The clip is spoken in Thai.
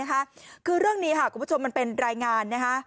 คือเรื่องนี้ค่ะคุณผู้ชมมันเป็นรายงานนะคะ